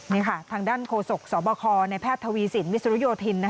นี่ค่ะทางด้านโฆษกสบคในแพทย์ทวีสินวิสุโยธิน